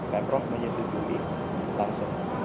pemprov menyetujui langsung